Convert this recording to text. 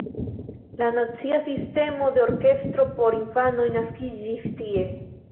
La nacia sistemo de orkestro por infanoj naskiĝis tie.